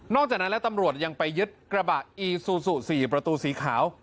จากนั้นแล้วตำรวจยังไปยึดกระบะอีซูซู๔ประตูสีขาว